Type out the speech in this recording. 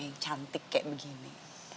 yang cantik kayak begini